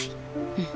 うん。